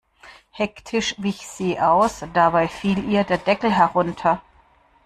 Hektisch wich sie aus, dabei fiel ihr der Deckel herunter.